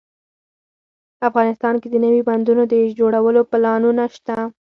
افغانستان کې د نوي بندونو د جوړولو پلانونه شته